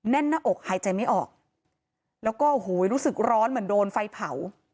แน่นหน้าอกหายใจไม่ออกแล้วก็โอ้โหรู้สึกร้อนเหมือนโดนไฟเผา